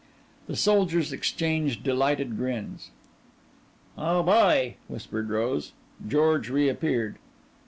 The soldiers exchanged delighted grins. "Oh, boy!" whispered Rose. George reappeared.